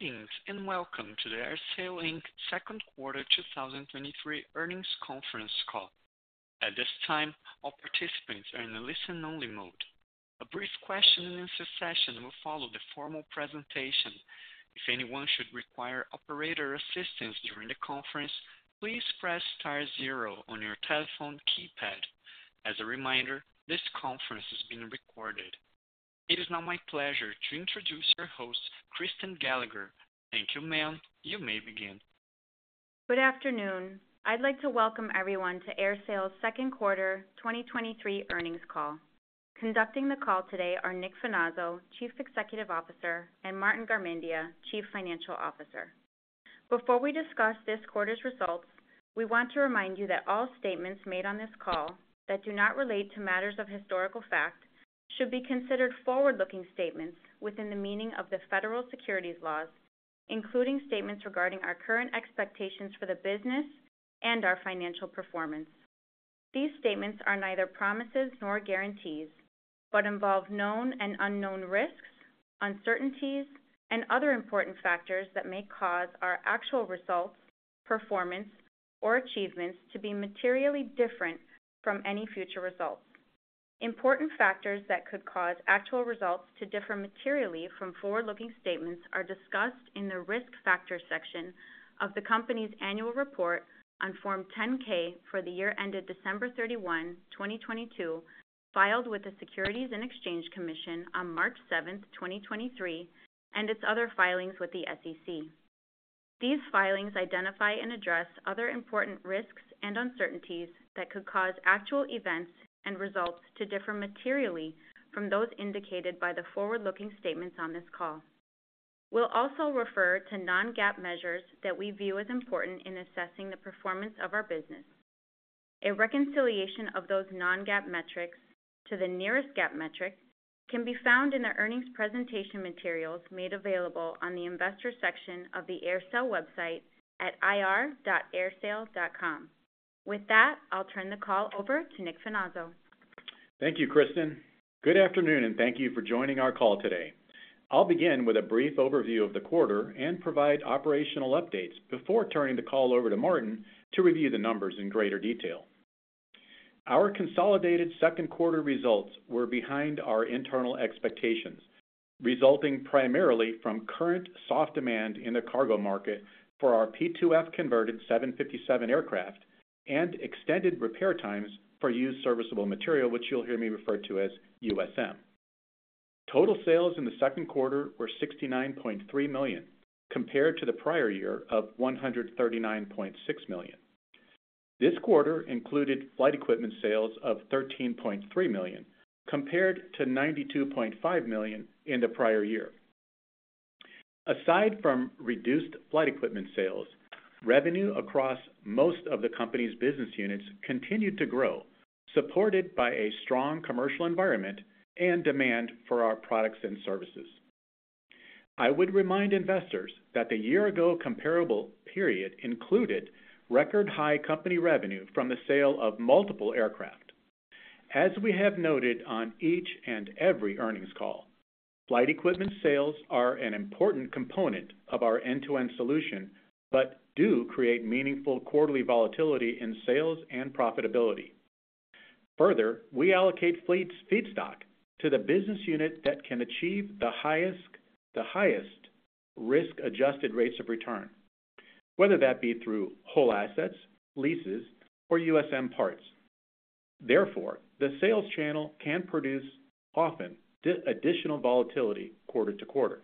Greetings, and welcome to the AerSale Inc. second quarter 2023 earnings conference call. At this time, all participants are in a listen-only mode. A brief question-and-answer session will follow the formal presentation. If anyone should require operator assistance during the conference, please press star 0 on your telephone keypad. As a reminder, this conference is being recorded. It is now my pleasure to introduce your host, Kristen Gallagher. Thank you, ma'am. You may begin. Good afternoon. I'd like to welcome everyone to AerSale's second quarter 2023 earnings call. Conducting the call today are Nicolas Finazzo, Chief Executive Officer, and Martin Garmendia, Chief Financial Officer. Before we discuss this quarter's results, we want to remind you that all statements made on this call that do not relate to matters of historical fact should be considered forward-looking statements within the meaning of the federal securities laws, including statements regarding our current expectations for the business and our financial performance. These statements are neither promises nor guarantees, but involve known and unknown risks, uncertainties, and other important factors that may cause our actual results, performance, or achievements to be materially different from any future results. Important factors that could cause actual results to differ materially from forward-looking statements are discussed in the Risk Factors section of the company's annual report on Form 10-K for the year ended December 31, 2022, filed with the Securities and Exchange Commission on March 7, 2023, and its other filings with the SEC. These filings identify and address other important risks and uncertainties that could cause actual events and results to differ materially from those indicated by the forward-looking statements on this call. We'll also refer to non-GAAP measures that we view as important in assessing the performance of our business. A reconciliation of those non-GAAP metrics to the nearest GAAP metric can be found in the earnings presentation materials made available on the Investor section of the AerSale website at ir.aersale.com. With that, I'll turn the call over to Nicolas Finazzo. Thank you, Kristen. Good afternoon, thank you for joining our call today. I'll begin with a brief overview of the quarter and provide operational updates before turning the call over to Martin to review the numbers in greater detail. Our consolidated second quarter results were behind our internal expectations, resulting primarily from current soft demand in the cargo market for our P2F converted 757 aircraft and extended repair times for used serviceable material, which you'll hear me refer to as USM. Total sales in the second quarter were $69.3 million, compared to the prior year of $139.6 million. This quarter included flight equipment sales of $13.3 million, compared to $92.5 million in the prior year. Aside from reduced flight equipment sales, revenue across most of the company's business units continued to grow, supported by a strong commercial environment and demand for our products and services. I would remind investors that the year-ago comparable period included record-high company revenue from the sale of multiple aircraft. As we have noted on each and every earnings call, flight equipment sales are an important component of our end-to-end solution, but do create meaningful quarterly volatility in sales and profitability. Further, we allocate fleet feedstock to the business unit that can achieve the highest, the highest risk-adjusted rates of return, whether that be through whole assets, leases, or USM Parts. Therefore, the sales channel can produce often additional volatility quarter to quarter.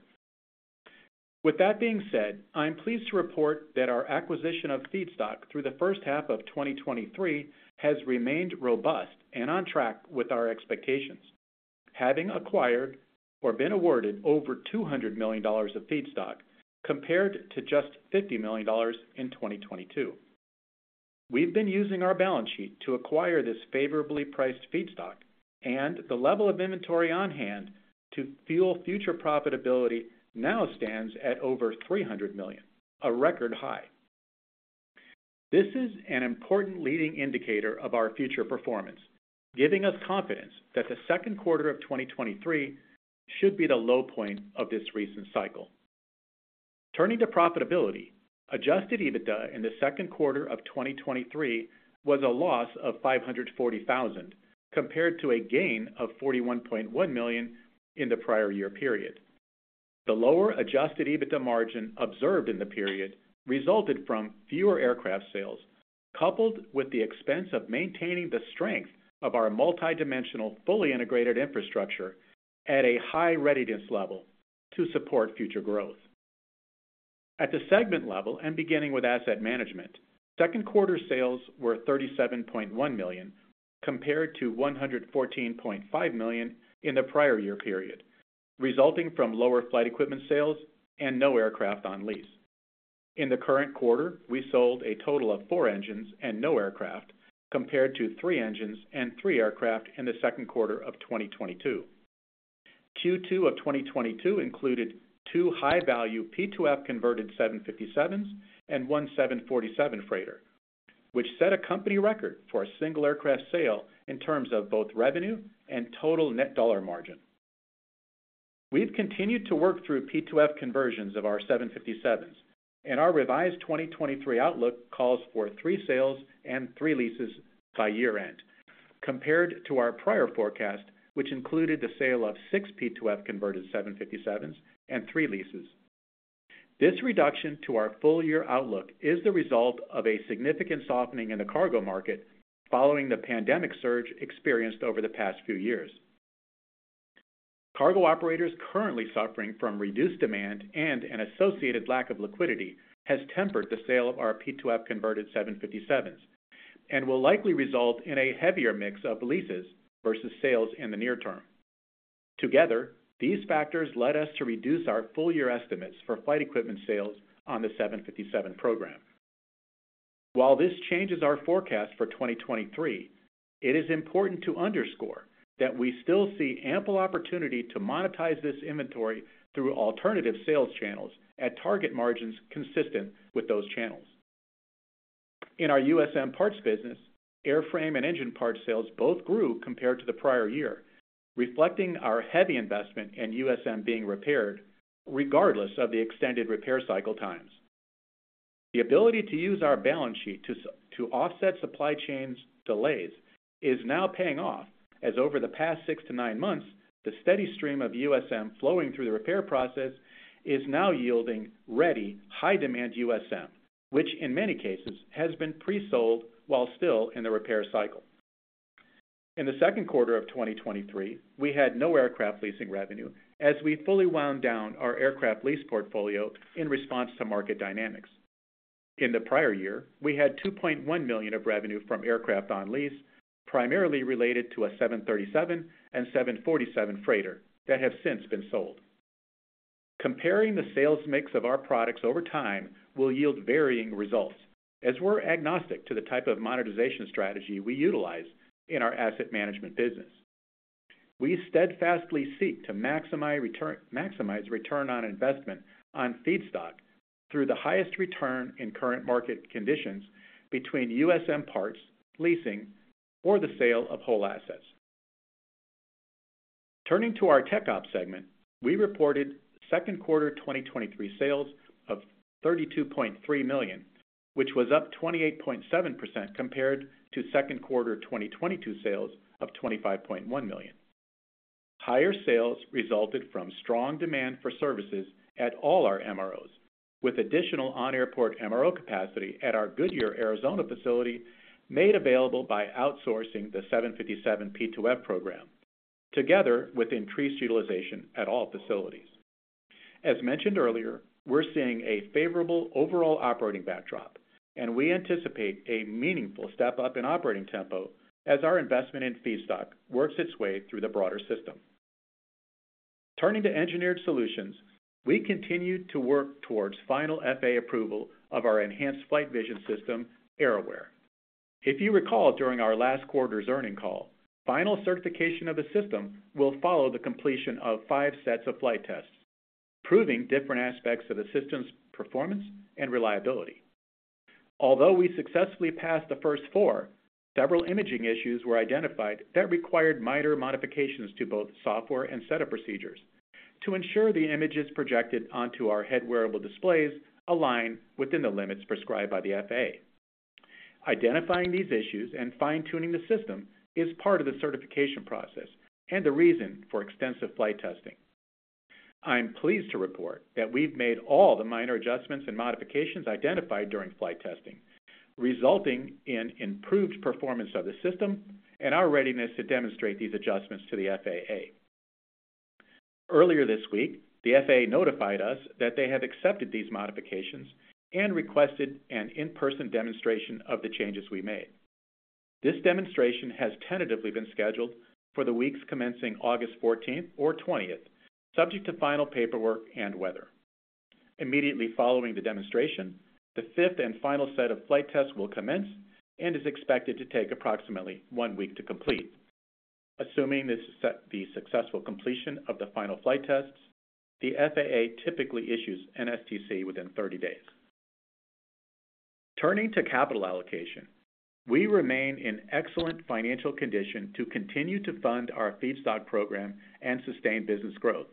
With that being said, I'm pleased to report that our acquisition of feedstock through the first half of 2023 has remained robust and on track with our expectations, having acquired or been awarded over $200 million of feedstock, compared to just $50 million in 2022. We've been using our balance sheet to acquire this favorably priced feedstock and the level of inventory on hand to fuel future profitability now stands at over $300 million, a record high. This is an important leading indicator of our future performance, giving us confidence that the second quarter of 2023 should be the low point of this recent cycle. Turning to profitability, adjusted EBITDA in the second quarter of 2023 was a loss of $540,000, compared to a gain of $41.1 million in the prior year period. The lower adjusted EBITDA margin observed in the period resulted from fewer aircraft sales, coupled with the expense of maintaining the strength of our multidimensional, fully integrated infrastructure at a high readiness level to support future growth. At the segment level, beginning with asset management, second quarter sales were $37.1 million, compared to $114.5 million in the prior year period, resulting from lower flight equipment sales and no aircraft on lease. In the current quarter, we sold a total of four engines and no aircraft, compared to three engines and three aircraft in the second quarter of 2022. Q2 of 2022 included two high-value, P2F-converted 757s and one 747 freighter, which set a company record for a single aircraft sale in terms of both revenue and total net dollar margin. We've continued to work through P2F conversions of our 757s, and our revised 2023 outlook calls for three sales and three leases by year-end, compared to our prior forecast, which include the sale of six P2F converted 757s and three leases. This reduction to our full year outlook is the result of a significant softening in the cargo market following the pandemic surge experienced over the past few years. Cargo operators currently suffering from reduced demand and an associated lack of liquidity, has tempered the sale of our P2F converted 757s, and will likely result in a heavier mix of leases versus sales in the near term. Together, these factors led us to reduce our full year estimates for flight equipment sales on the 757 program. While this changes our forecast for 2023, it is important to underscore that we still see ample opportunity to monetize this inventory through alternative sales channels at target margins consistent with those channels. In our USM Parts business, Airframe and Engine Part Sales both grew compared to the prior year, reflecting our heavy investment in USM being repaired regardless of the extended repair cycle times. The ability to use our balance sheet to offset supply chains delays is now paying off, as over the past six to nine months, the steady stream of USM flowing through the repair process is now yielding ready, high demand USM, which in many cases has been pre-sold while still in the repair cycle. In the second quarter of 2023, we had no aircraft leasing revenue as we fully wound down our aircraft lease portfolio in response to market dynamics. In the prior year, we had $2.1 million of revenue from aircraft on lease, primarily related to a 737 and 747 freighter that have since been sold. Comparing the sales mix of our products over time will yield varying results, as we're agnostic to the type of monetization strategy we utilize in our asset management business. We steadfastly seek to maximize return, maximize return on investment on feedstock through the highest return in current market conditions between USM Parts, leasing or the sale of whole assets. Turning to our Tech Ops segment, we reported second quarter 2023 sales of $32.3 million, which was up 28.7% compared to second quarter 2022 sales of $25.1 million. Higher sales resulted from strong demand for services at all our MROs, with additional on-airport MRO capacity at our Goodyear, Arizona facility, made available by outsourcing the 757 P2F program, together with increased utilization at all facilities. As mentioned earlier, we're seeing a favorable overall operating backdrop, we anticipate a meaningful step up in operating tempo as our investment in feedstock works its way through the broader system. Turning to engineered solutions, we continued to work towards final FAA approval of our Enhanced Flight Vision System, AerAware. If you recall, during our last quarter's earning call, final certification of the system will follow the completion of five sets of flight tests, proving different aspects of the system's performance and reliability. Although we successfully passed the first four, several imaging issues were identified that required minor modifications to both software and setup procedures to ensure the images projected onto our head-wearable displays align within the limits prescribed by the FAA. Identifying these issues and fine-tuning the system is part of the certification process and the reason for extensive flight testing. I'm pleased to report that we've made all the minor adjustments and modifications identified during flight testing, resulting in improved performance of the system and our readiness to demonstrate these adjustments to the FAA. Earlier this week, the FAA notified us that they have accepted these modifications and requested an in-person demonstration of the changes we made. This demonstration has tentatively been scheduled for the weeks commencing August 14th or 20th, subject to final paperwork and weather. Immediately following the demonstration, the 5th and final set of flight tests will commence and is expected to take approximately one week to complete. Assuming the successful completion of the final flight tests, the FAA typically issues an STC within 30 days. Turning to capital allocation, we remain in excellent financial condition to continue to fund our feedstock program and sustain business growth.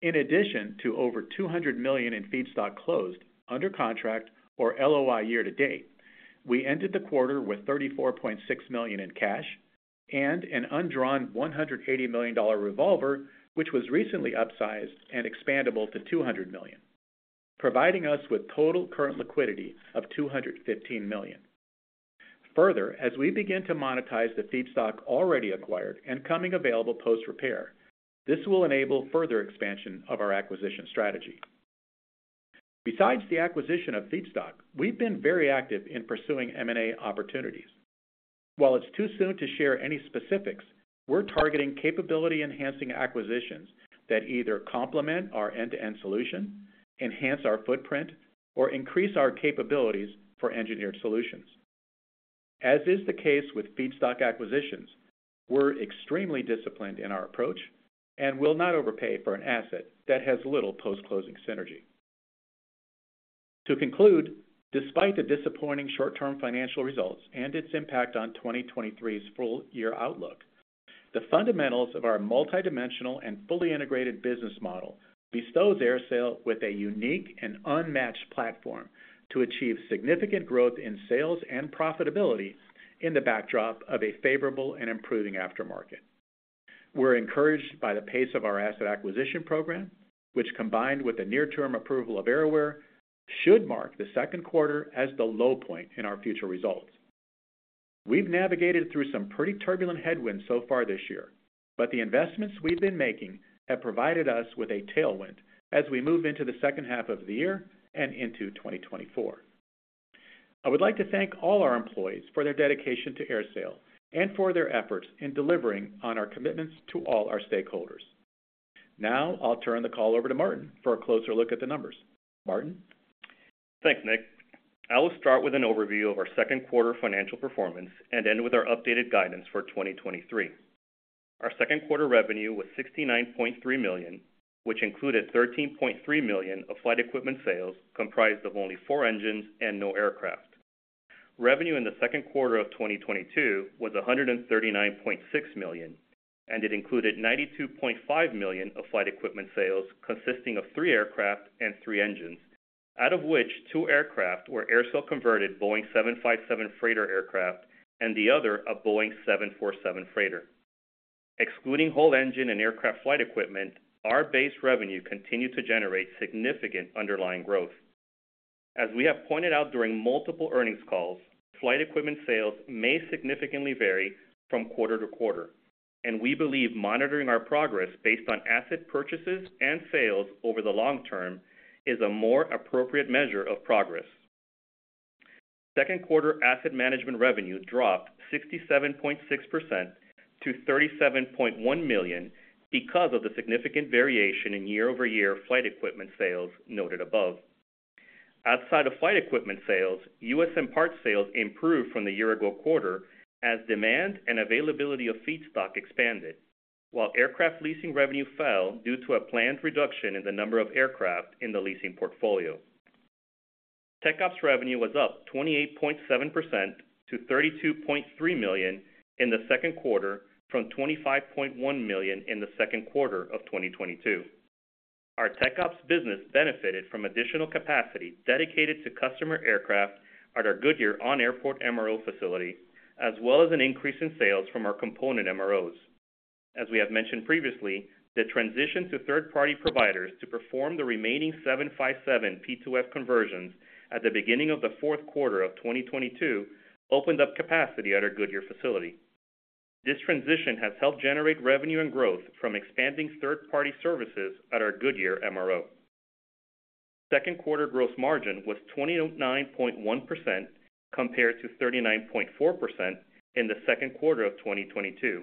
In addition to over $200 million in feedstock closed under contract or LOI year to date, we ended the quarter with $34.6 million in cash and an undrawn $180 million revolver, which was recently upsized and expandable to $200 million, providing us with total current liquidity of $215 million. Further, as we begin to monetize the feedstock already acquired and coming available post-repair, this will enable further expansion of our acquisition strategy. Besides the acquisition of feedstock, we've been very active in pursuing M&A opportunities. While it's too soon to share any specifics, we're targeting capability-enhancing acquisitions that either complement our end-to-end solution, enhance our footprint, or increase our capabilities for engineered solutions. As is the case with feedstock acquisitions, we're extremely disciplined in our approach and will not overpay for an asset that has little post-closing synergy. To conclude, despite the disappointing short-term financial results and its impact on 2023's full year outlook, the fundamentals of our multidimensional and fully integrated business model bestows AerSale with a unique and unmatched platform to achieve significant growth in sales and profitability in the backdrop of a favorable and improving aftermarket. We're encouraged by the pace of our asset acquisition program, which, combined with the near-term approval of AerAware, should mark the second quarter as the low point in our future results. We've navigated through some pretty turbulent headwinds so far this year, but the investments we've been making have provided us with a tailwind as we move into the second half of the year and into 2024. I would like to thank all our employees for their dedication to AerSale and for their efforts in delivering on our commitments to all our stakeholders. Now, I'll turn the call over to Martin for a closer look at the numbers. Martin? Thanks, Nick. I will start with an overview of our second quarter financial performance and end with our updated guidance for 2023. Our second quarter revenue was $69.3 million, which included $13.3 million of flight equipment sales, comprised of only four engines and no aircraft. It included $92.5 million of flight equipment sales, consisting of three aircraft and three engines, out of which two aircraft were AerSale converted Boeing 757 freighter aircraft and the other a Boeing 747 freighter. Excluding whole engine and aircraft flight equipment, our base revenue continued to generate significant underlying growth. As we have pointed out during multiple earnings calls, flight equipment sales may significantly vary from quarter to quarter, and we believe monitoring our progress based on asset purchases and sales over the long term is a more appropriate measure of progress. Second quarter asset management revenue dropped 67.6% to $37.1 million because of the significant variation in year-over-year flight equipment sales noted above. Outside of flight equipment sales, used and parts sales improved from the year ago quarter as demand and availability of feedstock expanded, while aircraft leasing revenue fell due to a planned reduction in the number of aircraft in the leasing portfolio. Tech Ops revenue was up 28.7% to $32.3 million in the second quarter, from $25.1 million in the second quarter of 2022. Our Tech Ops business benefited from additional capacity dedicated to customer aircraft at our Goodyear on-airport MRO facility, as well as an increase in sales from our component MROs. As we have mentioned previously, the transition to third-party providers to perform the remaining 757 P2F conversions at the beginning of the fourth quarter of 2022 opened up capacity at our Goodyear facility. This transition has helped generate revenue and growth from expanding third-party services at our Goodyear MRO. Second quarter gross margin was 29.1%, compared to 39.4% in the second quarter of 2022,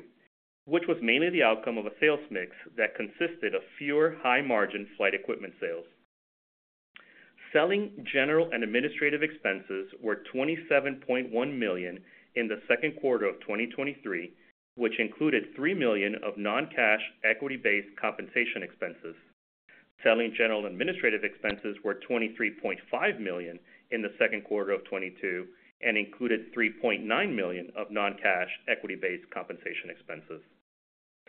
which was mainly the outcome of a sales mix that consisted of fewer high-margin flight equipment sales. Selling, general, and administrative expenses were $27.1 million in the second quarter of 2023, which included $3 million of non-cash equity-based compensation expenses. Selling general administrative expenses were $23.5 million in the second quarter of 2022 and included $3.9 million of non-cash equity-based compensation expenses.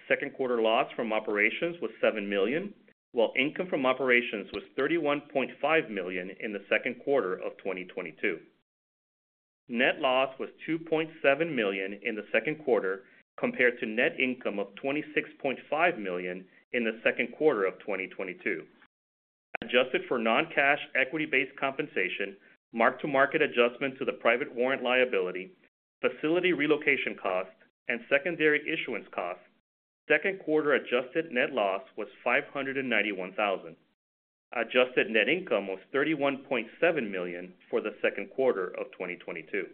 Second quarter loss from operations was $7 million, while income from operations was $31.5 million in the second quarter of 2022. Net loss was $2.7 million in the second quarter, compared to net income of $26.5 million in the second quarter of 2022. Adjusted for non-cash equity-based compensation, mark-to-market adjustment to the private warrant liability, facility relocation costs, and secondary issuance costs, second quarter adjusted net loss was $591,000. Adjusted net income was $31.7 million for the second quarter of 2022.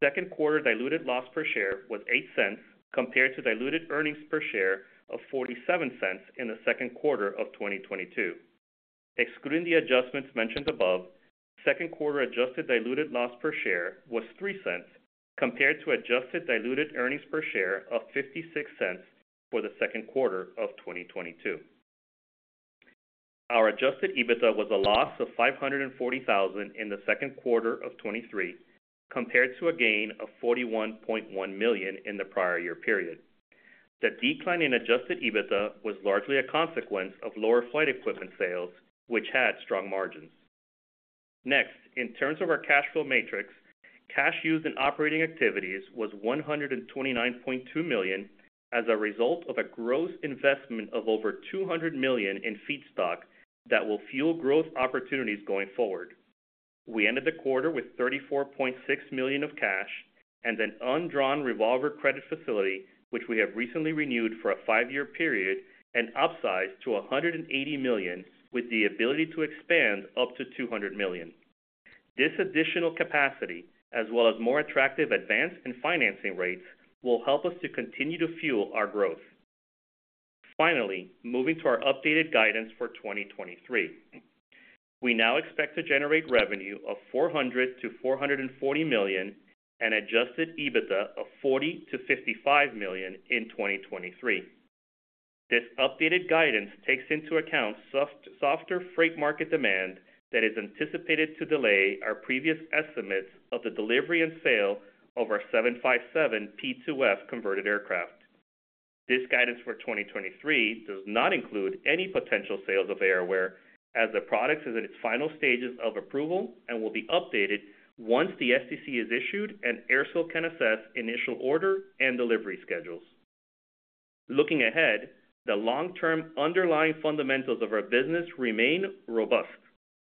Second quarter diluted loss per share was $0.08, compared to diluted earnings per share of $0.47 in the second quarter of 2022. Excluding the adjustments mentioned above, second quarter adjusted diluted loss per share was $0.03, compared to adjusted diluted earnings per share of $0.56 for the second quarter of 2022. Our adjusted EBITDA was a loss of $540,000 in the second quarter of 2023, compared to a gain of $41.1 million in the prior year period. The decline in adjusted EBITDA was largely a consequence of lower flight equipment sales, which had strong margins. Next, in terms of our cash flow matrix, cash used in operating activities was $129.2 million as a result of a gross investment of over $200 million in feedstock that will fuel growth opportunities going forward. We ended the quarter with $34.6 million of cash and an undrawn revolver credit facility, which we have recently renewed for a five-year period and upsized to $180 million, with the ability to expand up to $200 million. This additional capacity, as well as more attractive advanced and financing rates, will help us to continue to fuel our growth. Finally, moving to our updated guidance for 2023. We now expect to generate revenue of $400 million to $440 million and adjusted EBITDA of $40 million-$55 million in 2023. This updated guidance takes into account soft, softer freight market demand that is anticipated to delay our previous estimates of the delivery and sale of our Boeing 757 P2F converted aircraft. This guidance for 2023 does not include any potential sales of AerAware, as the product is in its final stages of approval and will be updated once the STC is issued, and AerSale can assess initial order and delivery schedules. Looking ahead, the long-term underlying fundamentals of our business remain robust.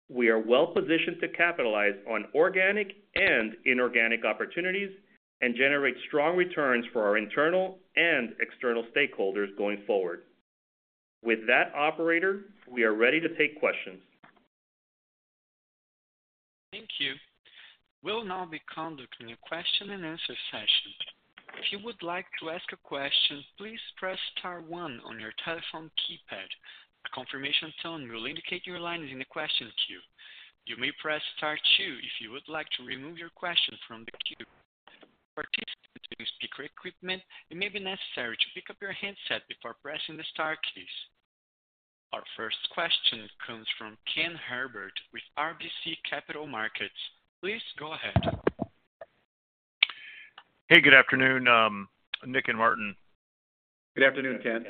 We are well positioned to capitalize on organic and inorganic opportunities and generate strong returns for our internal and external stakeholders going forward. With that, operator, we are ready to take questions. Thank you. We'll now be conducting a question-and-answer session. If you would like to ask a question, please press star one on your telephone keypad. A confirmation tone will indicate your line is in the question queue. You may press star two if you would like to remove your question from the queue. For participants using speaker equipment, it may be necessary to pick up your handset before pressing the star keys. Our first question comes from Ken Herbert with RBC Capital Markets. Please go ahead. Hey, good afternoon, Nick and Martin. Good afternoon, Ken.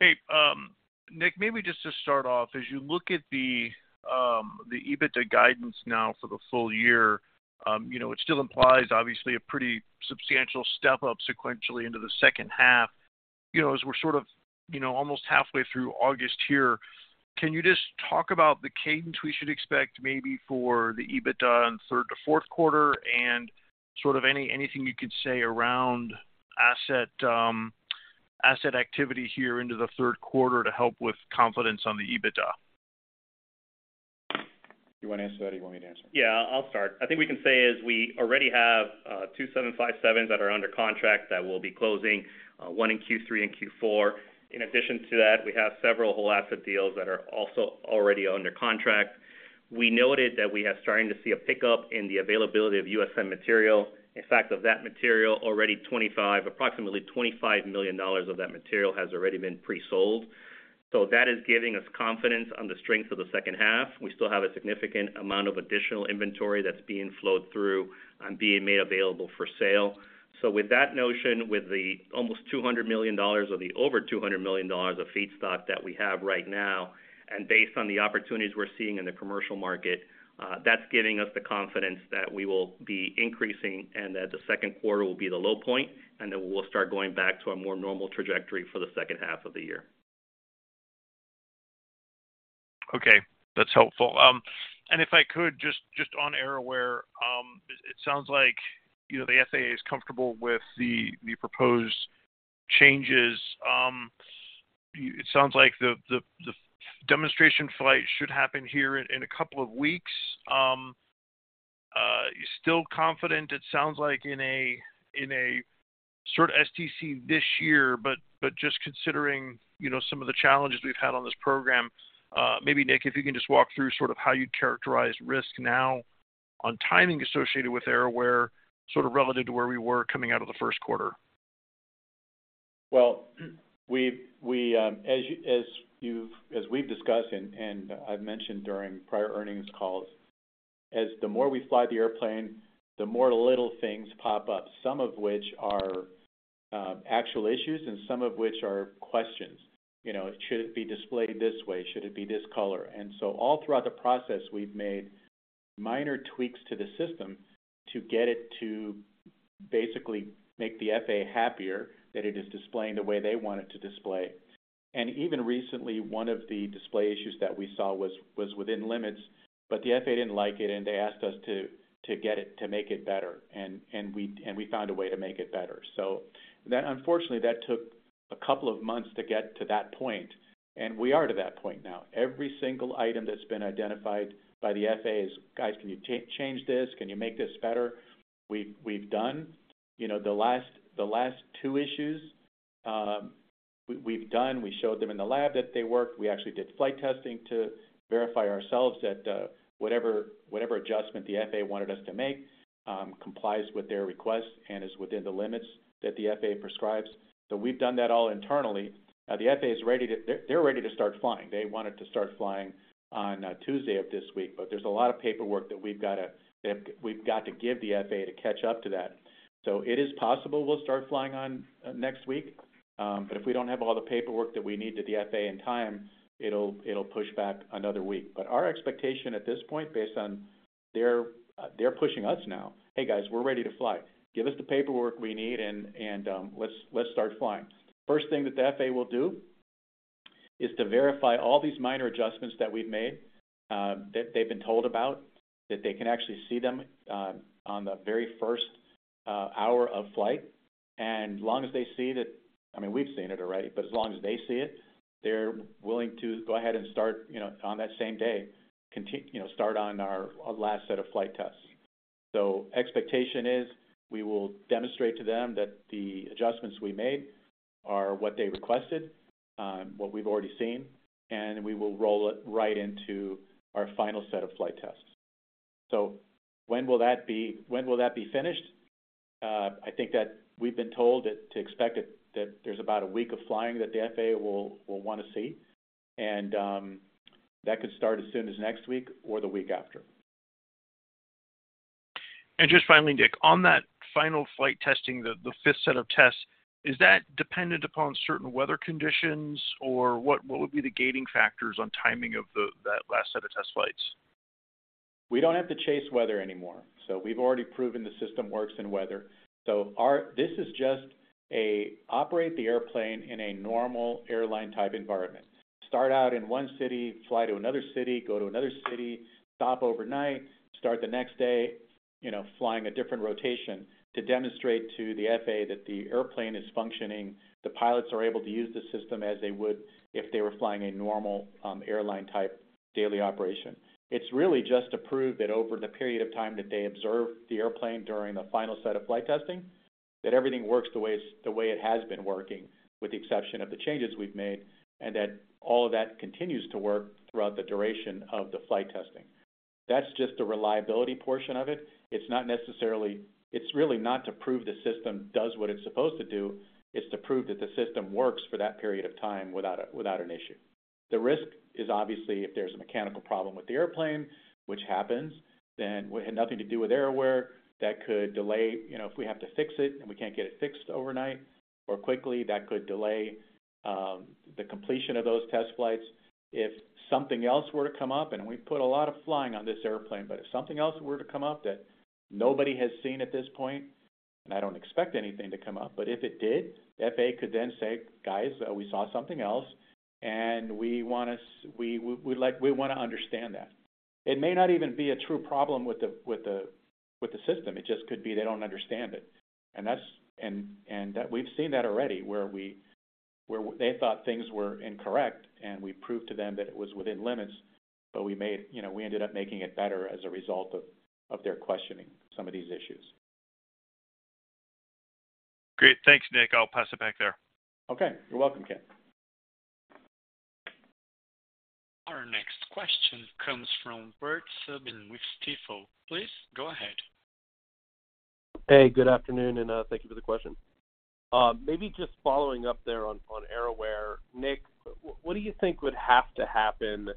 Hey, Nick, maybe just to start off, as you look at the EBITDA guidance now for the full year, you know, it still implies obviously a pretty substantial step-up sequentially into the second half. You know, as we're sort of, you know, almost halfway through August here, can you just talk about the cadence we should expect maybe for the EBITDA in third to fourth quarter and sort of anything you could say around asset, asset activity here into the third quarter to help with confidence on the EBITDA? You want to answer that, or you want me to answer? Yeah, I'll start. I think we can say is we already have two Boeing 757s that are under contract that will be closing one in Q3 and Q4. In addition to that, we have several whole asset deals that are also already under contract. We noted that we are starting to see a pickup in the availability of USM material. In fact, of that material, already approximately $25 million of that material has already been pre-sold. That is giving us confidence on the strength of the second half. We still have a significant amount of additional inventory that's being flowed through and being made available for sale. With that notion, with the almost $200 million or the over $200 million of feedstock that we have right now, and based on the opportunities we're seeing in the commercial market, that's giving us the confidence that we will be increasing and that the second quarter will be the low point, and then we'll start going back to a more normal trajectory for the second half of the year. Okay, that's helpful. If I could, just on AerAware, it sounds like, you know, the FAA is comfortable with the, the proposed changes. It sounds like the, the, the demonstration flight should happen here in, in a couple of weeks. You're still confident, it sounds like in a, in a sort of STC this year, but just considering, you know, some of the challenges we've had on this program, maybe, Nick, if you can just walk through sort of how you'd characterize risk now on timing associated with AerAware, sort of relative to where we were coming out of the first quarter? Well, we, we, as you've, as we've discussed and I've mentioned during prior earnings calls, as the more we fly the airplane, the more little things pop up, some of which are actual issues and some of which are questions. You know, should it be displayed this way? Should it be this color? All throughout the process, we've made minor tweaks to the system to get it to basically make the FAA happier that it is displaying the way they want it to display. Even recently, one of the display issues that we saw was within limits, but the FAA didn't like it, and they asked us to get it, to make it better, and we found a way to make it better. That, unfortunately, that took a couple of months to get to that point, and we are to that point now. Every single item that's been identified by the FAA is: "Guys, can you change this? Can you make this better?" We've, we've done. You know, the last, the last two issues, we've done, we showed them in the lab that they work. We actually did flight testing to verify ourselves that, whatever, whatever adjustment the FAA wanted us to make, complies with their request and is within the limits that the FAA prescribes. We've done that all internally. The FAA is ready to... They're ready to start flying. They wanted to start flying on Tuesday of this week, but there's a lot of paperwork that we've got to that we've got to give the FAA to catch up to that. It is possible we'll start flying on next week, but if we don't have all the paperwork that we need to the FAA in time, it'll, it'll push back another week. Our expectation at this point, based on they're, they're pushing us now. "Hey, guys, we're ready to fly. Give us the paperwork we need and, and, let's, let's start flying." First thing that the FAA will do is to verify all these minor adjustments that we've made, that they've been told about, that they can actually see them, on the very first hour of flight. Long as they see that, I mean, we've seen it already, but as long as they see it, they're willing to go ahead and start, you know, on that same day, continue... You know, start on our, our last set of flight tests. Expectation is we will demonstrate to them that the adjustments we made are what they requested, what we've already seen, and we will roll it right into our final set of flight tests. When will that be? When will that be finished? I think that we've been told that to expect it, that there's about a week of flying that the FAA will want to see, and that could start as soon as next week or the week after. Just finally, Nick, on that final flight testing, the 5th set of tests, is that dependent upon certain weather conditions, or what, what would be the gating factors on timing that last set of test flights? We don't have to chase weather anymore. We've already proven the system works in weather. This is just a operate the airplane in a normal airline type environment. Start out in one city, fly to another city, go to another city, stop overnight, start the next day, you know, flying a different rotation to demonstrate to the FAA that the airplane is functioning, the pilots are able to use the system as they would if they were flying a normal airline type daily operation. It's really just to prove that over the period of time that they observe the airplane during the final set of flight testing, that everything works the way it's, the way it has been working, with the exception of the changes we've made, and that all of that continues to work throughout the duration of the flight testing. That's just the reliability portion of it. It's not necessarily... It's really not to prove the system does what it's supposed to do, it's to prove that the system works for that period of time without an issue. The risk is obviously if there's a mechanical problem with the airplane, which happens, then it had nothing to do with AerAware, that could delay, you know, if we have to fix it and we can't get it fixed overnight or quickly, that could delay the completion of those test flights. If something else were to come up, and we've put a lot of flying on this airplane, but if something else were to come up that nobody has seen at this point, and I don't expect anything to come up, but if it did, the FAA could then say, "guys, we saw something else, and we want us, we, we'd like, we want to understand that." It may not even be a true problem with the, with the, with the system. It just could be they don't understand it. That's, and we've seen that already, where we, where they thought things were incorrect, and we proved to them that it was within limits, but we made, you know, we ended up making it better as a result of, of their questioning some of these issues. Great. Thanks, Nick. I'll pass it back there. Okay. You're welcome, Ken. Our next question comes from Bert Subin with Stifel. Please go ahead. Hey, good afternoon, and thank you for the question. Maybe just following up there on AerAware. Nick, what do you think would have to happen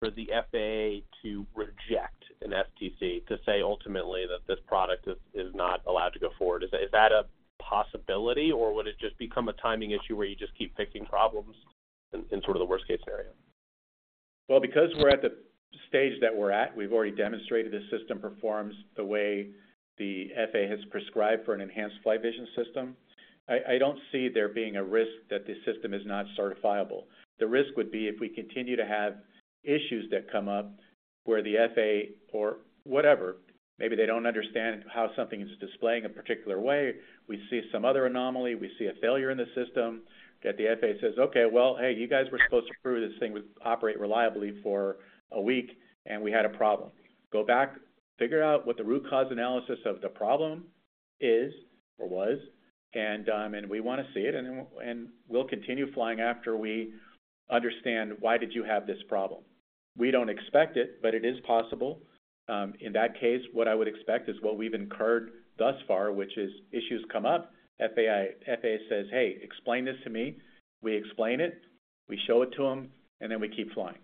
for the FAA to reject an STC to say ultimately that this product is not allowed to go forward? Is that a possibility, or would it just become a timing issue where you just keep fixing problems in sort of the worst-case scenario? Well, because we're at the stage that we're at, we've already demonstrated the system performs the way the FAA has prescribed for an enhanced flight vision system. I, I don't see there being a risk that the system is not certifiable. The risk would be if we continue to have issues that come up where the FAA or whatever, maybe they don't understand how something is displaying a particular way. We see some other anomaly, we see a failure in the system, that the FAA says, "Okay, well, hey, you guys were supposed to prove this thing would operate reliably for a week, and we had a problem. Go back, figure out what the root cause analysis of the problem is or was. We want to see it, and we'll continue flying after we understand why did you have this problem?" We don't expect it, but it is possible. In that case, what I would expect is what we've incurred thus far, which is issues come up, FAA, FAA says, "Hey, explain this to me." We explain it, we show it to them, and then we keep flying.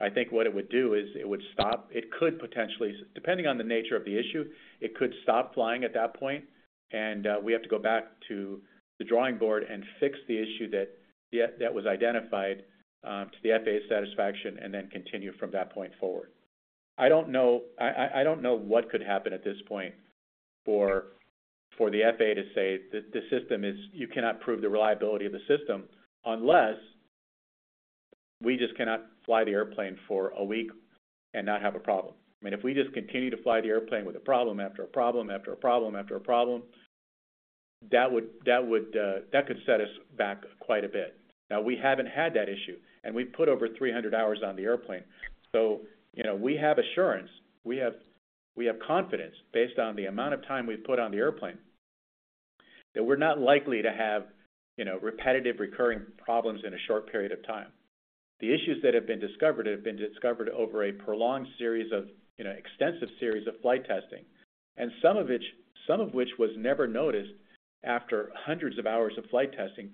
I think what it would do is it would stop. It could potentially, depending on the nature of the issue, it could stop flying at that point. We have to go back to the drawing board and fix the issue that, yeah, that was identified to the FAA's satisfaction and then continue from that point forward. I don't know, I don't know what could happen at this point for, for the FAA to say that the system is. You cannot prove the reliability of the system unless we just cannot fly the airplane for a week and not have a problem. I mean, if we just continue to fly the airplane with a problem after a problem, after a problem, after a problem, that would, that would, that could set us back quite a bit. Now, we haven't had that issue, and we've put over 300 hours on the airplane. You know, we have assurance, we have confidence based on the amount of time we've put on the airplane, that we're not likely to have, you know, repetitive, recurring problems in a short period of time. The issues that have been discovered have been discovered over a prolonged series of, you know, extensive series of flight testing, and some of which, some of which was never noticed after hundreds of hours of flight testing.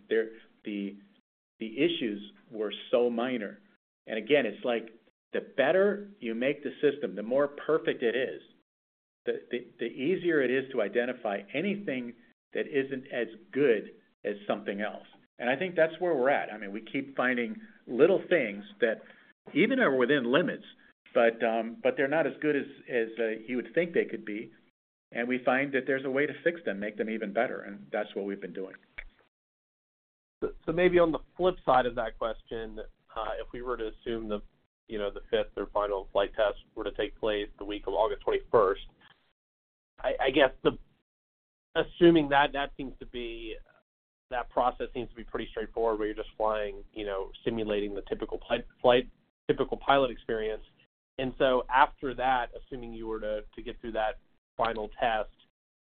There, the issues were so minor. Again, it's like, the better you make the system, the more perfect it is, the easier it is to identify anything that isn't as good as something else. I think that's where we're at. I mean, we keep finding little things that even are within limits, but they're not as good as you would think they could be, and we find that there's a way to fix them, make them even better, and that's what we've been doing. Maybe on the flip side of that question, if we were to assume the, you know, the fifth or final flight test were to take place the week of August 21st, I guess assuming that, that seems to be, that process seems to be pretty straightforward, where you're just flying, you know, simulating the typical flight, typical pilot experience. After that, assuming you were to, to get through that final test,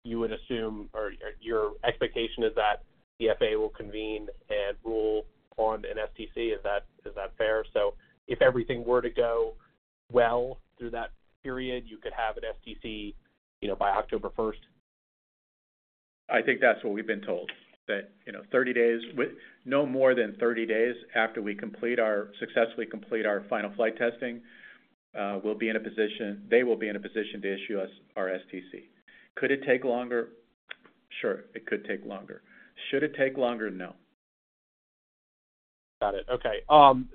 you would assume or your expectation is that the FAA will convene and rule on an STC. Is that, is that fair? If everything were to go well through that period, you could have an STC, you know, by October 1st? I think that's what we've been told, that, you know, 30 days, with no more than 30 days after we successfully complete our final flight testing, we'll be in a position, they will be in a position to issue us our STC. Could it take longer? Sure, it could take longer. Should it take longer? No. Got it. Okay,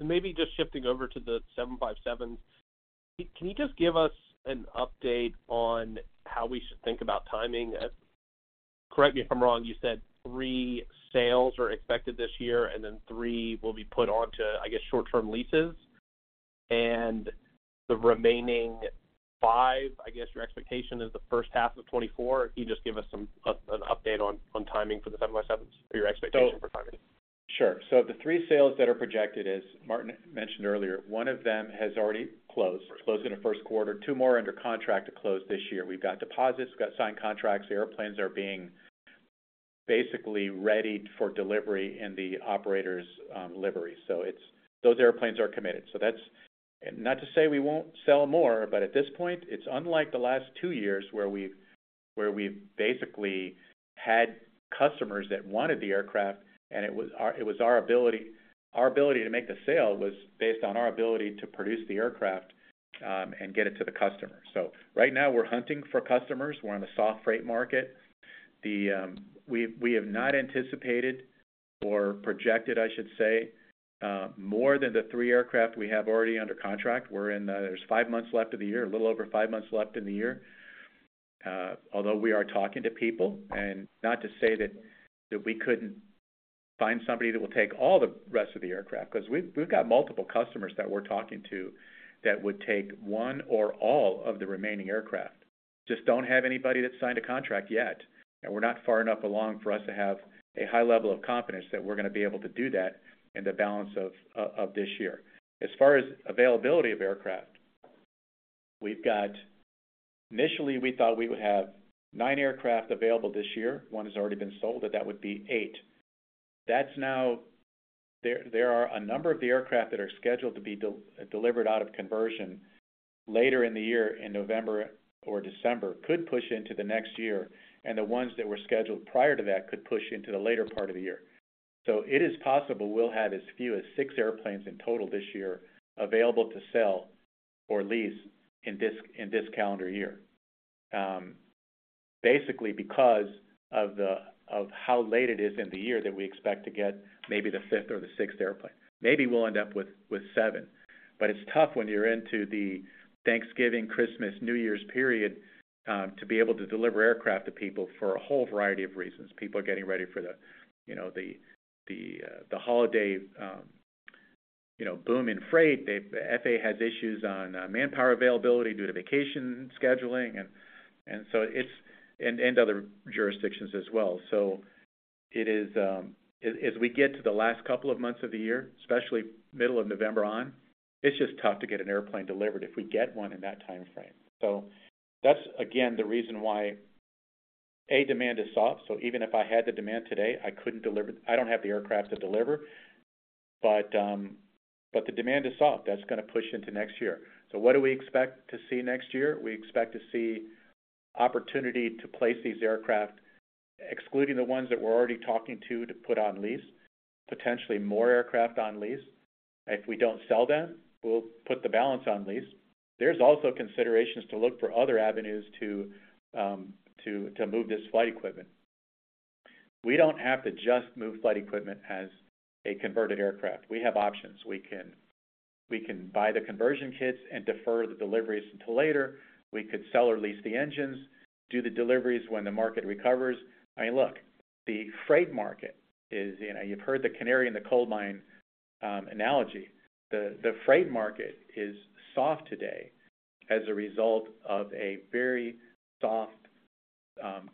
maybe just shifting over to the Boeing 757s. Can you just give us an update on how we should think about timing? Correct me if I'm wrong, you said three sales are expected this year, and then three will be put onto, I guess, short-term leases, and the remaining five, I guess your expectation is the first half of 2024. Can you just give us some, an update on, on timing for the Boeing 757s or your expectation for timing? Sure. The three sales that are projected, as Martin mentioned earlier, one of them has already closed. It closed in the first quarter. Two more are under contract to close this year. We've got deposits, we've got signed contracts. The airplanes are being basically readied for delivery in the operator's livery. It's, those airplanes are committed. That's. Not to say we won't sell more, but at this point, it's unlike the last two years where we've, where we've basically had customers that wanted the aircraft, and it was our, it was our ability, our ability to make the sale was based on our ability to produce the aircraft and get it to the customer. Right now, we're hunting for customers. We're in a soft freight market. We, we have not anticipated or projected, I should say, more than the three aircraft we have already under contract. We're in the-- there's five months left of the year, a little over five months left in the year, although we are talking to people. Not to say that, that we couldn't find somebody that will take all the rest of the aircraft, 'cause we've, we've got multiple customers that we're talking to that would take one or all of the remaining aircraft. Just don't have anybody that signed a contract yet, and we're not far enough along for us to have a high level of confidence that we're going to be able to do that in the balance of this year. As far as availability of aircraft, we've got-- initially, we thought we would have nine aircraft available this year. One has already been sold, that would be eight. There are a number of the aircraft that are scheduled to be de-delivered out of conversion later in the year, in November or December, could push into the next year, and the ones that were scheduled prior to that could push into the later part of the year. It is possible we'll have as few as six airplanes in total this year available to sell or lease in this, in this calendar year. Basically, because of how late it is in the year that we expect to get maybe the fifth or the sixth airplane. Maybe we'll end up with, with seven, but it's tough when you're into the Thanksgiving, Christmas, New Year's period to be able to deliver aircraft to people for a whole variety of reasons. People are getting ready for the, you know, the, the, the holiday, you know, boom in freight. The FAA has issues on manpower availability due to vacation scheduling, and other jurisdictions as well. It is, as, as we get to the last couple of months of the year, especially middle of November on, it's just tough to get an airplane delivered if we get one in that time frame. That's, again, the reason why, A, demand is soft. Even if I had the demand today, I don't have the aircraft to deliver, but, but the demand is soft. That's going to push into next year. What do we expect to see next year? We expect to see opportunity to place these aircraft, excluding the ones that we're already talking to, to put on lease, potentially more aircraft on lease. If we don't sell them, we'll put the balance on lease. There's also considerations to look for other avenues to move this flight equipment. We don't have to just move flight equipment as a converted aircraft. We have options. We can, we can buy the conversion kits and defer the deliveries until later. We could sell or lease the engines, do the deliveries when the market recovers. I mean, look, the freight market is, you know, you've heard the canary in the coal mine, analogy. The freight market is soft today as a result of a very soft,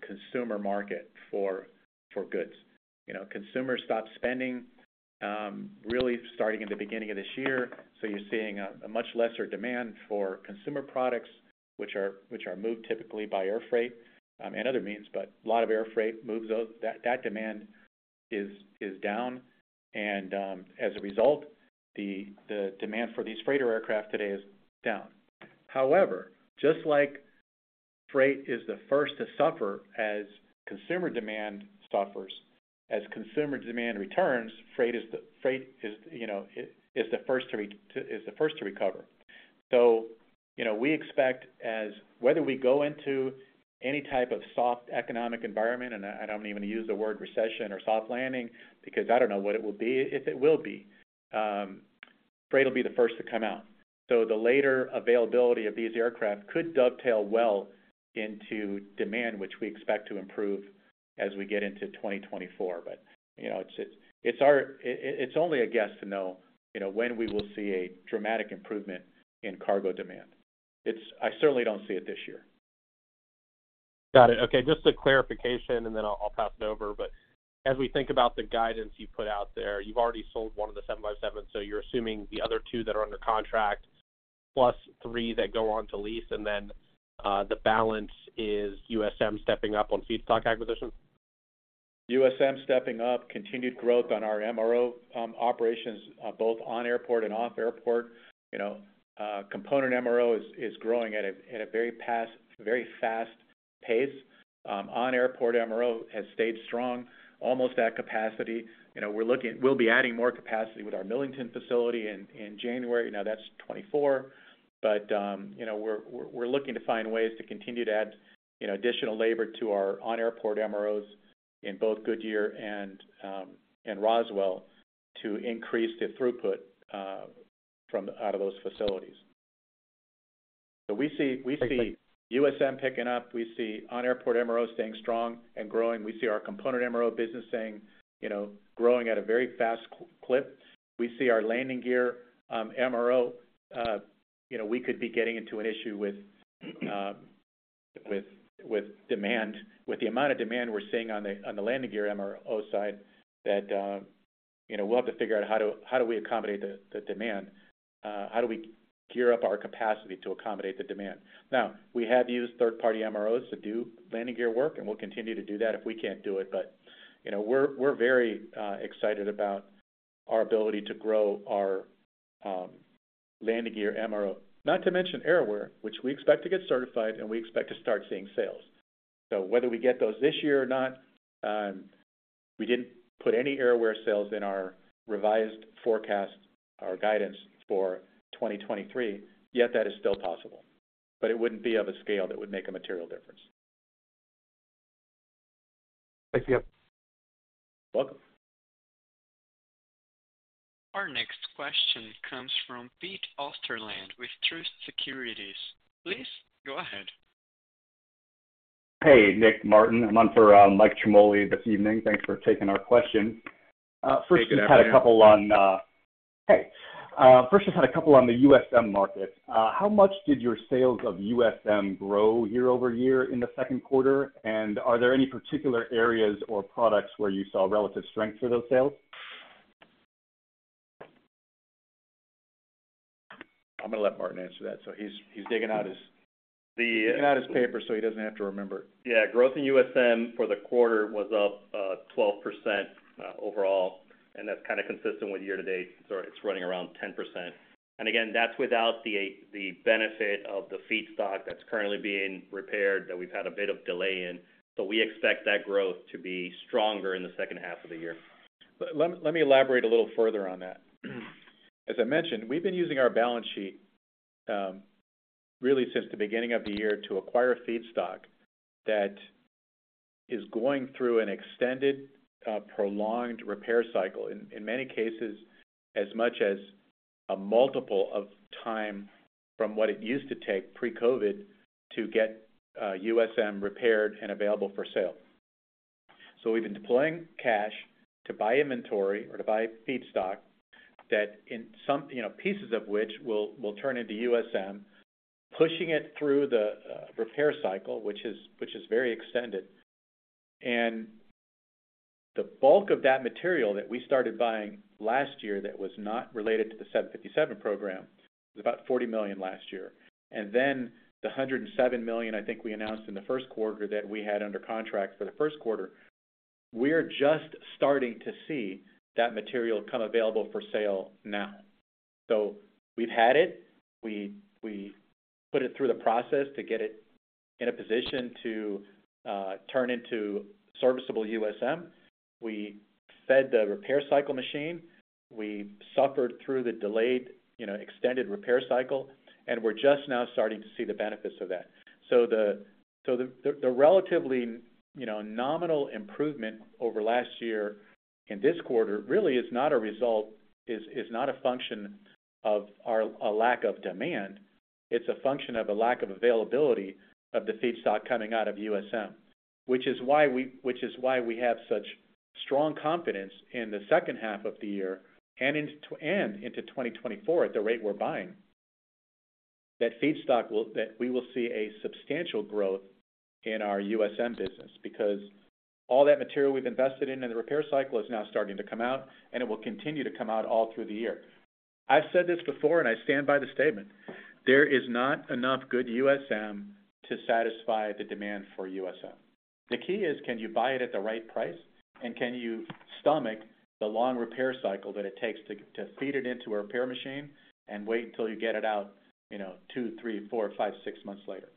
consumer market for, for goods. You know, consumers stopped spending, really starting in the beginning of this year. You're seeing a, a much lesser demand for consumer products, which are, which are moved typically by air freight, and other means, but a lot of air freight moves those. That, that demand is, is down. As a result, the, the demand for these freighter aircraft today is down. However, just like freight is the first to suffer as consumer demand suffers, as consumer demand returns, freight is, you know, is the first to recover. You know, we expect as-- whether we go into any type of soft economic environment, and I, I don't even use the word recession or soft landing, because I don't know what it will be, if it will be, freight will be the first to come out. The later availability of these aircraft could dovetail well into demand, which we expect to improve as we get into 2024. You know, it's, it's our-- it's only a guess to know, you know, when we will see a dramatic improvement in cargo demand. It's-- I certainly don't see it this year. Got it. Okay, just a clarification, and then I'll, I'll pass it over. As we think about the guidance you put out there, you've already sold one of the 757, so you're assuming the other two that are under contract, plus three that go on to lease, and then the balance is USM stepping up on feedstock acquisitions? USM stepping up, continued growth on our MRO operations, both on-airport and off-airport. You know, component MRO is, is growing at a, at a very past, very fast pace. On-airport MRO has stayed strong, almost at capacity. You know, we'll be adding more capacity with our Millington facility in, in January. That's 2024, but, you know, we're, we're looking to find ways to continue to add, you know, additional labor to our on-airport MROs in both Goodyear and Roswell to increase the throughput from out of those facilities. We see. Thanks. We see USM picking up, we see on-airport MRO staying strong and growing. We see our component MRO business saying, you know, growing at a very fast clip. We see our landing gear MRO, you know, we could be getting into an issue with, with, with demand. With the amount of demand we're seeing on the, on the landing gear MRO side, that, you know, we'll have to figure out how do, how do we accommodate the, the demand, how do we gear up our capacity to accommodate the demand? Now, we have used third-party MROs to do landing gear work, and we'll continue to do that if we can't do it. You know, we're, we're very excited about our ability to grow our landing gear MRO. Not to mention AerAware, which we expect to get certified, and we expect to start seeing sales. Whether we get those this year or not, we didn't put any AerAware sales in our revised forecast, our guidance for 2023, yet that is still possible, but it wouldn't be of a scale that would make a material difference. Thanks, yep. Welcome. Our next question comes from Pete Osterland with Truist Securities. Please go ahead. Hey, Nick, and Martin. I'm on for Mike Ciarmoli this evening. Thanks for taking our question. Hey, good afternoon. Hey, first, just had a couple on the USM market. How much did your sales of USM grow year-over-year in the second quarter? Are there any particular areas or products where you saw relative strength for those sales? I'm gonna let Martin answer that, so he's, he's digging out his- The- Digging out his paper, so he doesn't have to remember. Yeah. Growth in USM for the quarter was up 12% overall, and that's kind of consistent with year to date, so it's running around 10%. Again, that's without the benefit of the feedstock that's currently being repaired, that we've had a bit of delay in, but we expect that growth to be stronger in the second half of the year. Let me elaborate a little further on that. As I mentioned, we've been using our balance sheet, really since the beginning of the year to acquire feedstock that is going through an extended, prolonged repair cycle. In many cases, as much as a multiple of time from what it used to take pre-COVID to get USM repaired and available for sale. We've been deploying cash to buy inventory or to buy feedstock that in some, you know, pieces of which will, will turn into USM, pushing it through the repair cycle, which is, which is very extended. The bulk of that material that we started buying last year, that was not related to the 757 program, was about $40 million last year. The $107 million, I think we announced in the first quarter, that we had under contract for the first quarter, we're just starting to see that material become available for sale now. We've had it. We, we put it through the process to get it in a position to turn into serviceable USM. We fed the repair cycle machine. We suffered through the delayed, you know, extended repair cycle, and we're just now starting to see the benefits of that. The, the relatively, you know, nominal improvement over last year in this quarter really is not a result, not a function of our, a lack of demand, it's a function of a lack of availability of the feedstock coming out of USM. Which is why we, which is why we have such strong confidence in the second half of the year and into, and into 2024, at the rate we're buying, that feedstock will... That we will see a substantial growth in our USM business. Because all that material we've invested in, in the repair cycle is now starting to come out, and it will continue to come out all through the year. I've said this before, and I stand by the statement: There is not enough good USM to satisfy the demand for USM. The key is, can you buy it at the right price, and can you stomach the long repair cycle that it takes to, to feed it into a repair machine and wait until you get it out, you know, two, three, four, five, six months later?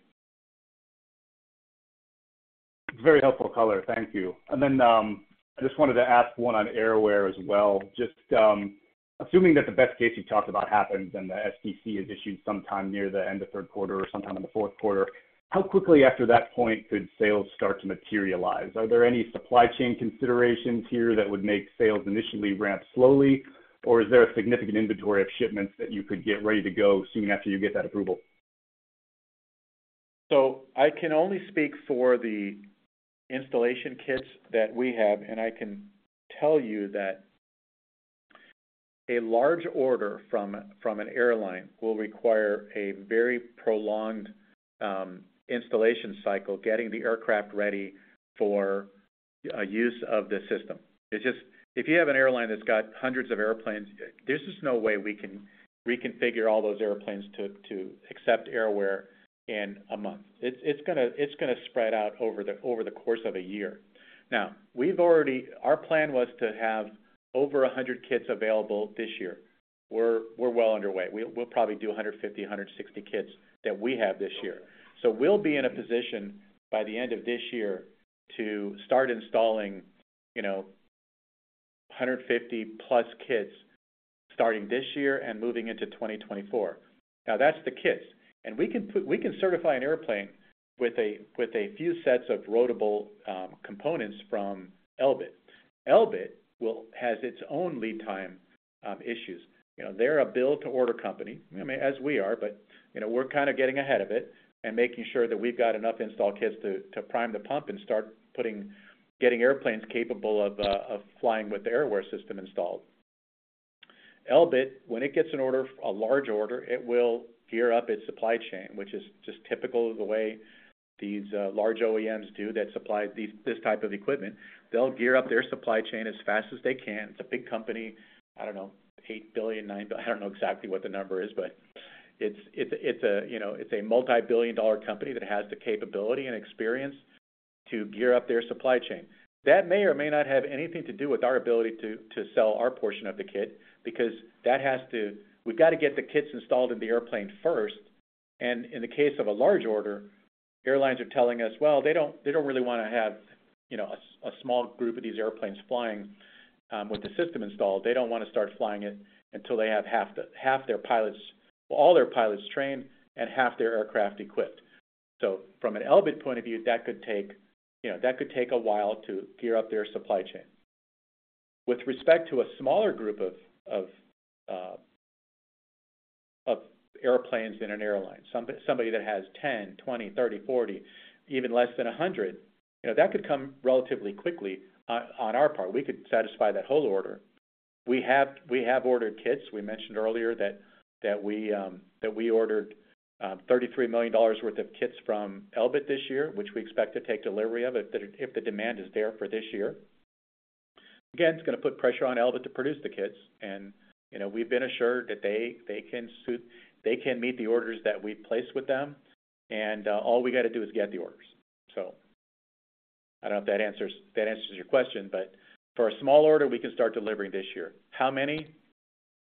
Very helpful color. Thank you. I just wanted to ask one on AerAware as well. Just, assuming that the best case you talked about happens, and the STC is issued sometime near the end of third quarter or sometime in the fourth quarter, how quickly after that point could sales start to materialize? Are there any supply chain considerations here that would make sales initially ramp slowly, or is there a significant inventory of shipments that you could get ready to go soon after you get that approval? I can only speak for the installation kits that we have, and I can tell you that. A large order from, from an airline will require a very prolonged installation cycle, getting the aircraft ready for use of the system. It's just if you have an airline that's got hundreds of airplanes, there's just no way we can reconfigure all those airplanes to, to accept AerAware in a month. It's, it's gonna, it's gonna spread out over the, over the course of a year. Now, we've already. Our plan was to have over 100 kits available this year. We're, we're well underway. We'll, we'll probably do 150, 160 kits that we have this year. We'll be in a position by the end of this year to start installing, you know, 150+ kits starting this year and moving into 2024. Now, that's the kits, and we can certify an airplane with a few sets of rotable components from Elbit. Elbit has its own lead time issues. You know, they're a build-to-order company, I mean, as we are. You know, we're kind of getting ahead of it and making sure that we've got enough install kits to prime the pump and start getting airplanes capable of flying with the AerAware system installed. Elbit, when it gets an order, a large order, it will gear up its supply chain, which is just typical of the way these large OEMs do that supply these, this type of equipment. They'll gear up their supply chain as fast as they can. It's a big company. I don't know, $8 billion, $9 billion... I don't know exactly what the number is, but it's, it's a, you know, it's a multibillion-dollar company that has the capability and experience to gear up their supply chain. That may or may not have anything to do with our ability to, to sell our portion of the kit, because that has to, we've got to get the kits installed in the airplane first, and in the case of a large order, airlines are telling us, well, they don't, they don't really want to have, you know, a small group of these airplanes flying with the system installed. They don't want to start flying it until they have half the, half their pilots, all their pilots trained and half their aircraft equipped. From an Elbit point of view, that could take, you know, that could take a while to gear up their supply chain. With respect to a smaller group of, of airplanes in an airline, somebody that has 10, 20, 30, 40, even less than 100, you know, that could come relatively quickly on our part. We could satisfy that whole order. We have, we have ordered kits. We mentioned earlier that, that we ordered $33 million worth of kits from Elbit this year, which we expect to take delivery of if the, if the demand is there for this year. It's going to put pressure on Elbit to produce the kits, and, you know, we've been assured that they can meet the orders that we place with them, and all we got to do is get the orders. I don't know if that answers, that answers your question, but for a small order, we can start delivering this year. How many?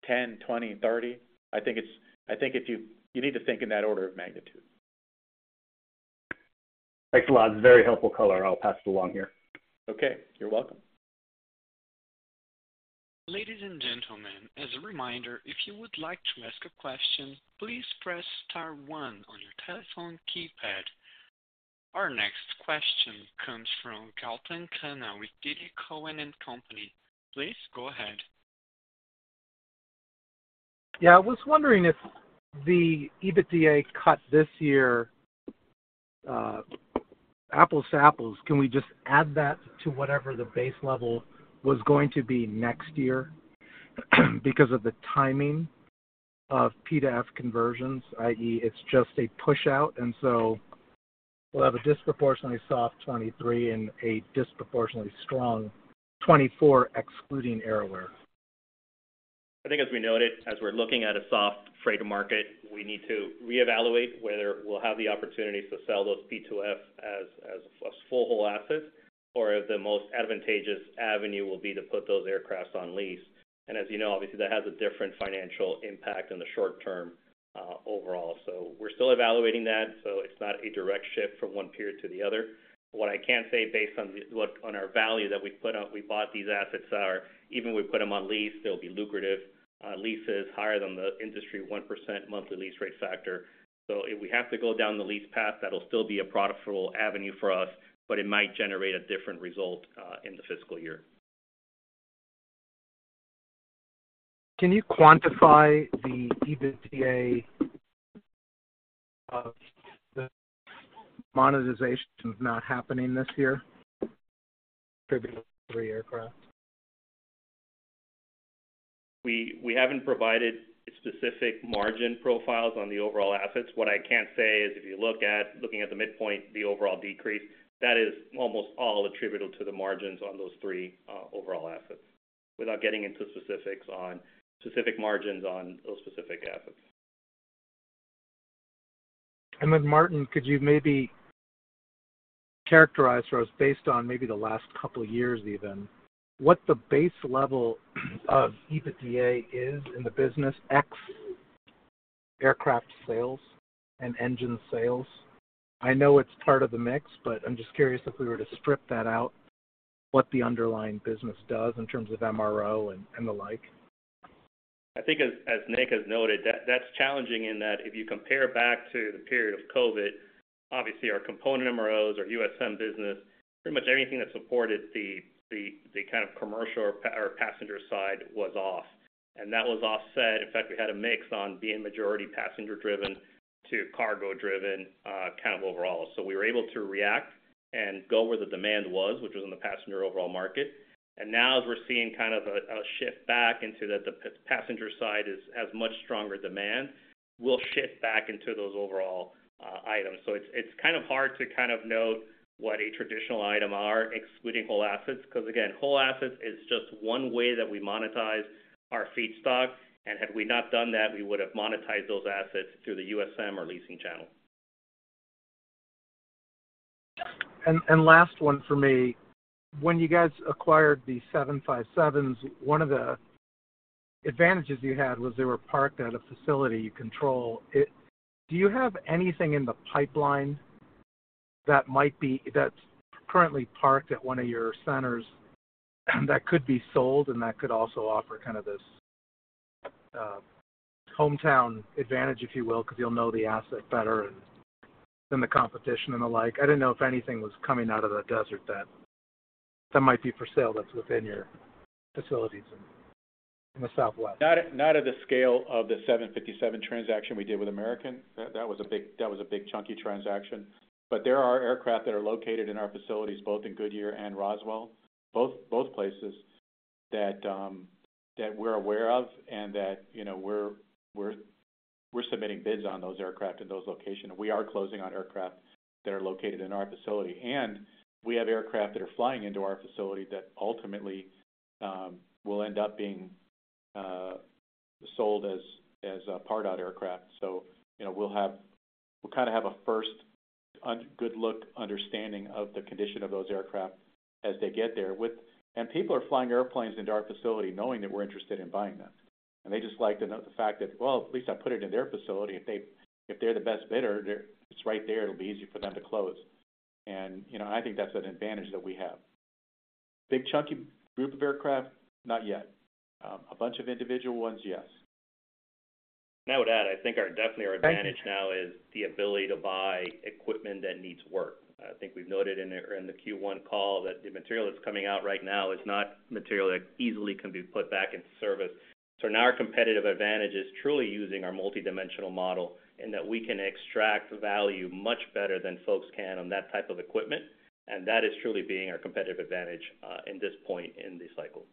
10, 20, 30. I think if you need to think in that order of magnitude. Thanks a lot. It's a very helpful color. I'll pass it along here. Okay, you're welcome. Ladies and gentlemen, as a reminder, if you would like to ask a question, please press star one on your telephone keypad. Our next question comes from Gautam Khanna with TD Cowen. Please go ahead. Yeah, I was wondering if the EBITDA cut this year, apples to apples, can we just add that to whatever the base level was going to be next year? Because of the timing of P2F conversions, i.e., it's just a pushout, and so we'll have a disproportionately soft 2023 and a disproportionately strong 2024, excluding AerAware. I think, as we noted, as we're looking at a soft freight market, we need to reevaluate whether we'll have the opportunity to sell those P2F as full asset, or if the most advantageous avenue will be to put those aircraft on lease. As you know, obviously, that has a different financial impact in the short term, overall. We're still evaluating that, so it's not a direct shift from one period to the other. What I can say, based on our value that we put out, we bought these assets are, even we put them on lease, they'll be lucrative. Lease is higher than the industry, 1% monthly lease rate factor. If we have to go down the lease path, that'll still be a profitable avenue for us, but it might generate a different result, in the fiscal year. Can you quantify the EBITDA of the monetization not happening this year, attributable to three aircraft? We haven't provided specific margin profiles on the overall assets. What I can say is, if you looking at the midpoint, the overall decrease, that is almost all attributable to the margins on those three overall assets, without getting into specifics on specific margins on those specific assets. Then, Martin, could you maybe characterize for us, based on maybe the last couple of years even, what the base level of EBITDA is in the business, ex aircraft sales and engine sales? I know it's part of the mix, but I'm just curious if we were to strip that out, what the underlying business does in terms of MRO and, and the like. I think as, as Nick has noted, that, that's challenging in that if you compare back to the period of COVID, obviously our component MROs, our USM business, pretty much anything that supported the, the, the kind of commercial or passenger side was off, and that was offset. In fact, we had a mix on being majority passenger-driven to cargo-driven, kind of overall. We were able to react and go where the demand was, which was in the passenger overall market. Now as we're seeing kind of a, a shift back into the, the passenger side is, has much stronger demand, we'll shift back into those overall items. It's, it's kind of hard to kind of note what a traditional item are, excluding whole assets, because, again, whole assets is just one way that we monetize our feedstock, and had we not done that, we would have monetized those assets through the USM or leasing channel. Last one for me. When you guys acquired the 757s, one of the advantages you had was they were parked at a facility you control. Do you have anything in the pipeline that might be, that's currently parked at one of your centers, that could be sold and that could also offer kind of this, hometown advantage, if you will, because you'll know the asset better than the competition and the like? I didn't know if anything was coming out of the desert that, that might be for sale, that's within your facilities in the Southwest. Not, not at the scale of the 757 transaction we did with American. That was a big chunky transaction. There are aircraft that are located in our facilities, both in Goodyear and Roswell, both places that we're aware of and that, you know, we're submitting bids on those aircraft in those locations. We are closing on aircraft that are located in our facility, and we have aircraft that are flying into our facility that ultimately will end up being sold as a part-out aircraft. You know, we'll kind of have a first good look, understanding of the condition of those aircraft as they get there. People are flying airplanes into our facility knowing that we're interested in buying them. They just like to know the fact that, well, at least I put it in their facility. If they're the best bidder, it's right there, it'll be easy for them to close. You know, I think that's an advantage that we have. Big chunky group of aircraft? Not yet. A bunch of individual ones, yes. I would add, I think our, definitely our advantage now is the ability to buy equipment that needs work. I think we've noted in the, in the Q1 call that the material that's coming out right now is not material that easily can be put back into service. Now our competitive advantage is truly using our multidimensional model, and that we can extract value much better than folks can on that type of equipment. That is truly being our competitive advantage in this point in the cycle.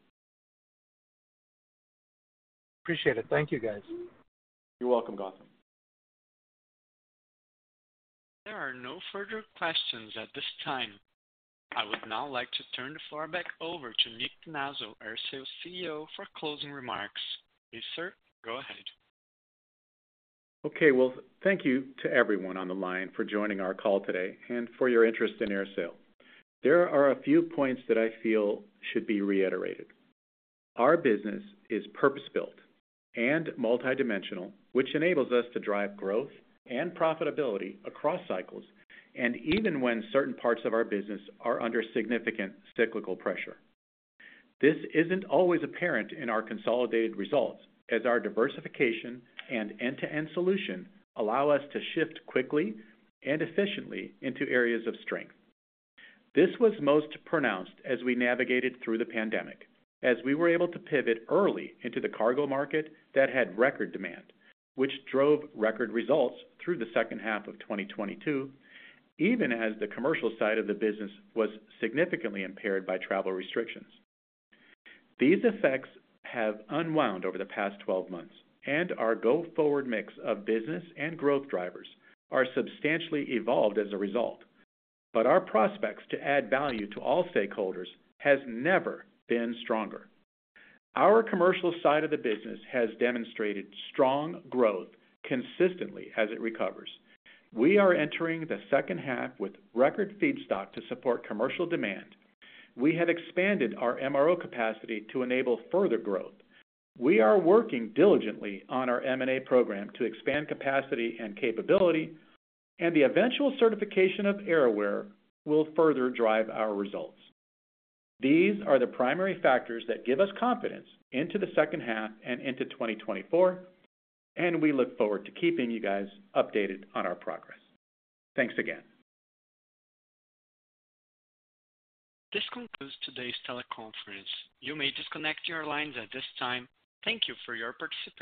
Appreciate it. Thank you, guys. You're welcome, Gautam. There are no further questions at this time. I would now like to turn the floor back over to Nicolas Finazzo, AerSale's CEO, for closing remarks. Please, sir, go ahead. Okay, well, thank you to everyone on the line for joining our call today and for your interest in AerSale. There are a few points that I feel should be reiterated. Our business is purpose-built and multidimensional, which enables us to drive growth and profitability across cycles, and even when certain parts of our business are under significant cyclical pressure. This isn't always apparent in our consolidated results, as our diversification and end-to-end solution allow us to shift quickly and efficiently into areas of strength. This was most pronounced as we navigated through the pandemic, as we were able to pivot early into the cargo market that had record demand, which drove record results through the second half of 2022, even as the commercial side of the business was significantly impaired by travel restrictions. These effects have unwound over the past 12 months. Our go-forward mix of business and growth drivers are substantially evolved as a result. Our prospects to add value to all stakeholders has never been stronger. Our commercial side of the business has demonstrated strong growth consistently as it recovers. We are entering the second half with record feedstock to support commercial demand. We have expanded our MRO capacity to enable further growth. We are working diligently on our M&A program to expand capacity and capability. The eventual certification of AerAware will further drive our results. These are the primary factors that give us confidence into the second half and into 2024. We look forward to keeping you guys updated on our progress. Thanks again. This concludes today's teleconference. You may disconnect your lines at this time. Thank you for your participation.